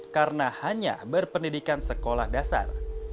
karena hanya berpendidikan sekolah dasar